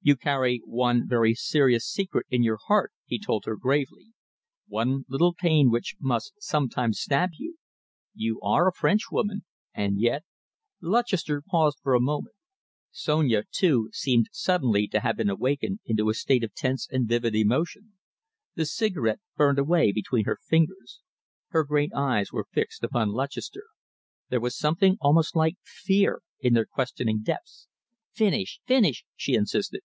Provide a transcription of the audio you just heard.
"You carry one very serious secret in your heart," he told her gravely, "one little pain which must sometimes stab you. You are a Frenchwoman, and yet " Lutchester paused for a moment. Sonia, too, seemed suddenly to have awakened into a state of tense and vivid emotion. The cigarette burned away between her fingers. Her great eyes were fixed upon Lutchester. There was something almost like fear in their questioning depths. "Finish! Finish!" she insisted.